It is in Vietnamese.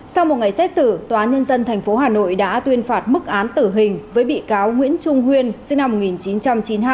sau một ngày xét xử tòa nhân dân tp hà nội đã tuyên phạt mức án tử hình với bị cáo nguyễn trung huyên sinh năm một nghìn chín trăm chín mươi hai